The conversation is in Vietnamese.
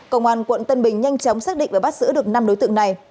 công an quận tân bình nhanh chóng xác định và bắt giữ được năm đối tượng này